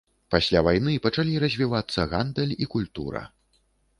Пасля вайны пачалі развівацца гандаль і культура.